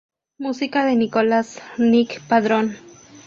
Música de Nicolás 'Nick' Padrón.